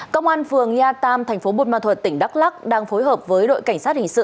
công an phường ya tam thành phố buôn ma thuật tỉnh đắk lắc đang phối hợp với đội cảnh sát hình sự